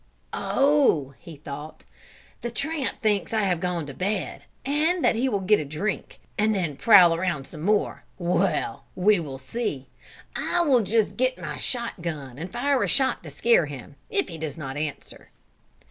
"Oh! ho!" he thought, "the tramp thinks that I have gone to bed, and that he will get a drink, and then prowl around some more. Well, we will see. I will just get my shot gun and fire a shot to scare him, if he does not answer."